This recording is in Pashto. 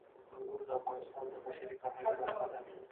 انګور د افغانستان د بشري فرهنګ برخه ده.